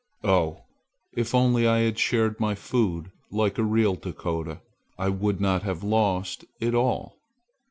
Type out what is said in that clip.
"Oh, if only I had shared my food like a real Dakota, I would not have lost it all!